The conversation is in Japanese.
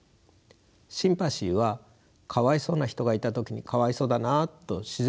シンパシーはかわいそうな人がいた時にかわいそうだなと自然に思う感情です。